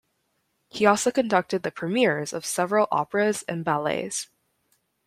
He also conducted the premieres of several operas and ballets.